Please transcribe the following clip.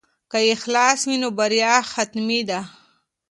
که اخلاص وي نو بریا حتمي ده.